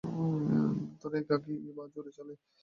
এরা একাকী বা জোড়ায় চলে।